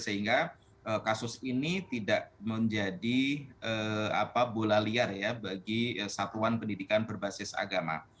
sehingga kasus ini tidak menjadi bola liar ya bagi satuan pendidikan berbasis agama